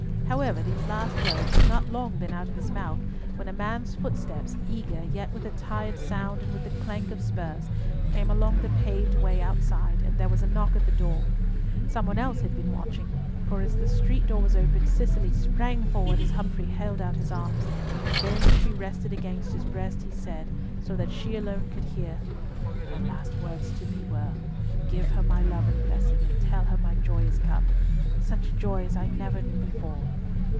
However, these last words had not long been out of his mouth when a man's footsteps, eager, yet with a tired sound and with the clank of spurs, came along the paved way outside, and there was a knock at the door. Some one else had been watching; for, as the street door was opened, Cicely sprang forward as Humfrey held out his arms; then, as she rested against his breast, he said, so that she alone could hear, "Her last words to me were, 'Give her my love and blessing, and tell her my joy is come—such joy as I never knew before.'"